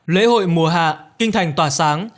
lễ hội mùa hạ kinh thành tỏa sáng